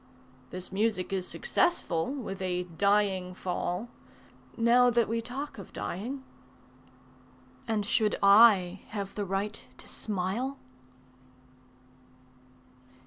This music is successful with a "dying fall" Now that we talk of dying And should I have the right to smile?